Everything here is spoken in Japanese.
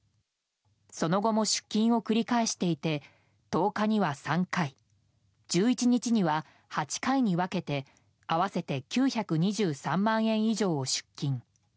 その後も出金を繰り返していて１０日には３回１１日には８回に分けて合わせて９２３万円以上を出金。